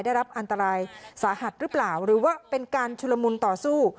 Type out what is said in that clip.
ได้รับอันตรายสาหัสหรือเปล่าหรือว่าเป็นการชุลมุนต่อสู้